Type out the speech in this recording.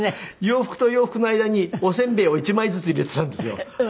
洋服と洋服の間におせんべいを１枚ずつ入れていたんですよ。